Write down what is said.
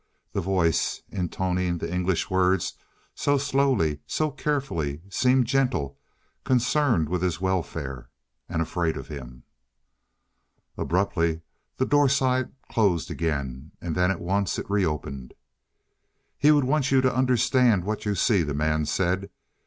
The voice, intoning the English words so slowly, so carefully, seemed gentle, concerned with his welfare ... and afraid of him. Abruptly the doorslide closed again, and then at once it reopened. "He would want you to understand what you see," the man said.